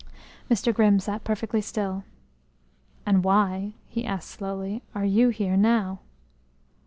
Mr. Grimm sat perfectly still. "And why," he asked slowly, "are you here now?"